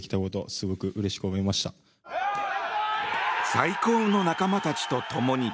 最高の仲間たちとともに。